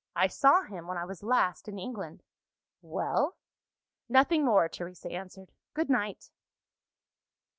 "I saw him when I was last in England." "Well?" "Nothing more," Teresa answered. "Good night!"